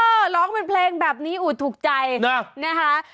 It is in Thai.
เออร้องเป็นเพลงแบบนี้อุดถูกใจนะฮะ